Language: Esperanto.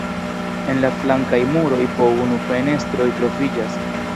En la flankaj muroj po unu fenestroj troviĝas.